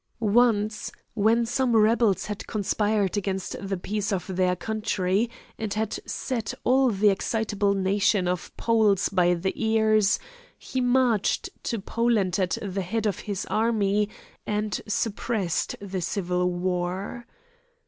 Once, when some rebels had conspired against the peace of their country, and had set all the excitable nation of Poles by the ears, he marched to Poland at the head of his army, and suppressed the civil war.